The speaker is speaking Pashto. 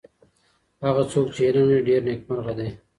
هغه څوک چی علم لري ډېر نیکمرغه دی.